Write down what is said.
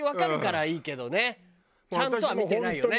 ちゃんとは見てないよね。